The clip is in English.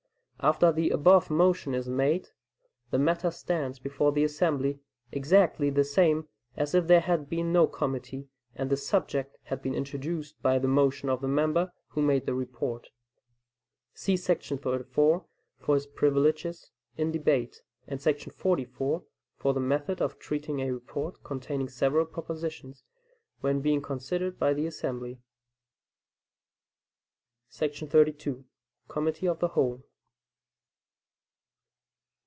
After the above motion is made, the matter stands before the assembly exactly the same as if there had been no committee, and the subject had been introduced by the motion of the member who made the report. [See § 34 for his privileges in debate, and § 44 for the method of treating a report containing several propositions, when being considered by the assembly.] 32. Committee of the Whole.